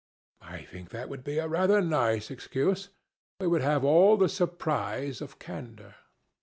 I think that would be a rather nice excuse: it would have all the surprise of candour."